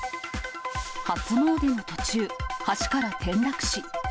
初詣の途中、橋から転落死。